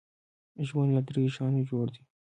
ژوند له دریو شیانو جوړ دی .